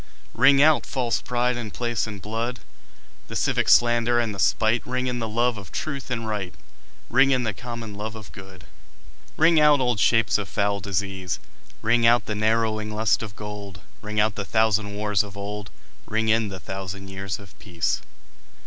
Ring out false pride in place and blood, The civic slander and the spite; Ring in the love of truth and right, Ring in the common love of good. Ring out old shapes of foul disease, Ring out the narrowing lust of gold; Ring out the thousand wars of old, Ring in the thousand years of peace.